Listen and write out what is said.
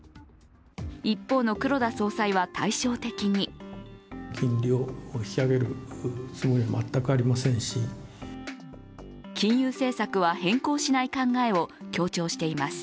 一方の黒田総裁は対照的に金融政策は変更しない考えを強調しています。